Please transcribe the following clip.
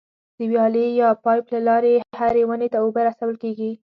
د ویالې یا پایپ له لارې هرې ونې ته اوبه رسول کېږي.